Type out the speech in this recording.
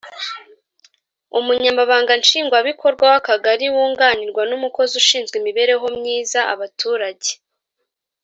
umunyamabanga nshingwabikorwa w akagari wunganirwa n umukozi ushinzwe imibereho myiza abaturage